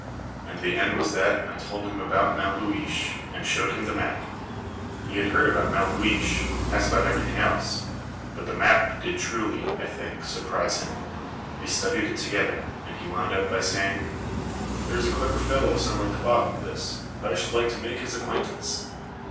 And the end was that I told him about Melhuish, and showed him the map. He had heard about Melhuish, as about everything else; but the map did truly I think surprise him. We studied it together, and he wound up by saying "There's a clever fellow somewhere at the bottom of this, and I should like to make his acquaintance."